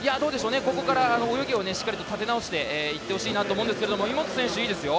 ここから泳ぎをしっかりと立て直していってほしいなと思うんですけど井本選手、いいですよ。